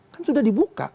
kan sudah dibuka